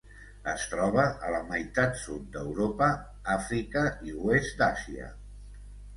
Es troba a la meitat sud d'Europa, Àfrica i oest d'Àsia.